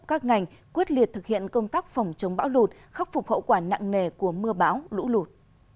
các ngành quyết liệt thực hiện công tác phòng chống bão lụt khắc phục hậu quả nặng nề của mưa bão lũ lụt